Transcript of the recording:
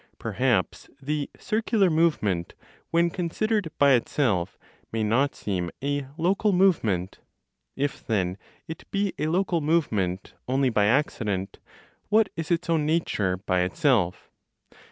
Perhaps the circular movement, when considered by itself, may not seem a local movement. If then it be a local movement only by accident, what is its own nature, by itself?